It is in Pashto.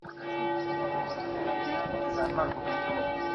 ایا لوی صادروونکي چارمغز پروسس کوي؟